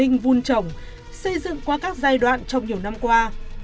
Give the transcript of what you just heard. công an tỉnh quảng ninh vun trồng xây dựng qua các giai đoạn trong nhiều năm qua